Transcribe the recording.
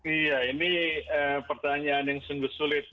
iya ini pertanyaan yang sungguh sulit